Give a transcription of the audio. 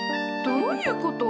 どういうこと？